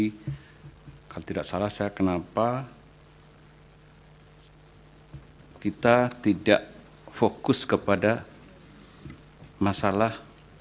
kalau tidak salah saya kenapa kita tidak fokus kepada masalah